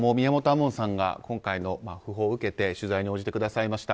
門さんが今回の訃報を受けて取材に応じてくださいました。